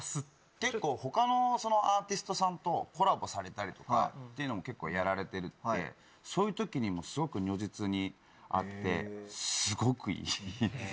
結構他のアーティストさんとコラボされたりとかっていうのも結構やられてるんでそういう時にすごく如実にあってすごくいいですよね。